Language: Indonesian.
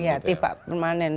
iya tiba tiba permanen